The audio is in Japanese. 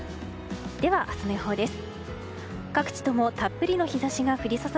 では、明日の予報です。